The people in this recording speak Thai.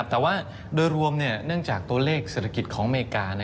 แต่ว่าโดยรวมเนื่องจากตัวเลขเศรษฐกิจของอเมริกา